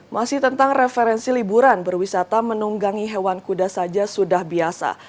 masih tentang referensi liburan berwisata menunggangi hewan kuda saja sudah biasa